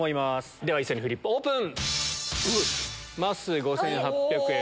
では一斉にフリップオープン！